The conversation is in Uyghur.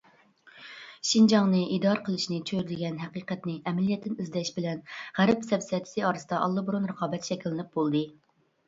شىنجاڭنى ئىدارە قىلىشنى چۆرىدىگەن ھەقىقەتنى ئەمەلىيەتتىن ئىزدەش بىلەن غەرب سەپسەتىسى ئارىسىدا ئاللىبۇرۇن رىقابەت شەكىللىنىپ بولدى.